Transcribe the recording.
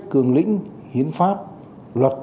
cương lĩnh hiến pháp luật